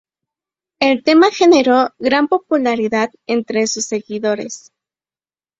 El tema generó gran popularidad entre sus seguidores.